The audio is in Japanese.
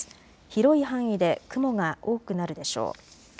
広い範囲で雲が多くなるでしょう。